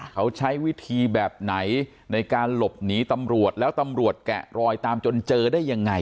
เขาใช้วิธีแบบไหนในการหลบหนีตำรวจแล้วตำรวจแกะรอยตามจนเจอได้ยังไง